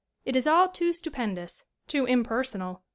It is all too stupendous ; too impersonal.